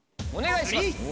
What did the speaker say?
お願いします。